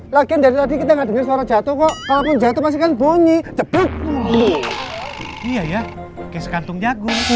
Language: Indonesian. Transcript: laki laki kita denger suara jatuh jatuh masih kan bunyi cepet iya ya